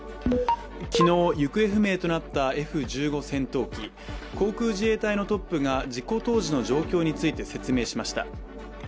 昨日行方不明となったＦ１５戦闘機航空自衛隊のトップが事故当時の状況について説明しました。